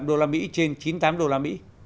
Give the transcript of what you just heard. ba trăm bảy mươi năm usd trên chín mươi tám usd